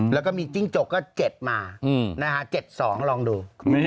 แล้วก็มีจิ้งจกก็๗มา๗๒ลองดู